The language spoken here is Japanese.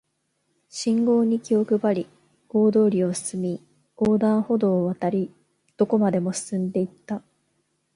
信号に気を配り、大通りを進み、横断歩道を渡り、どこまでも進んで行った